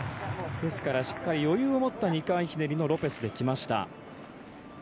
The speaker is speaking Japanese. ですからしっかり余裕を持った２回ひねりのロペスで来ました。